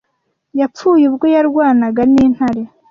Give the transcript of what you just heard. yapfuye ubwo yarwanaga n'intare